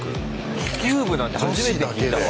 気球部なんて初めて聞いたわ。